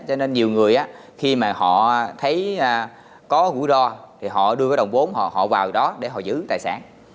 cho nên nhiều người khi mà họ thấy có rủi ro thì họ đưa cái đồng vốn họ vào đó để họ giữ tài sản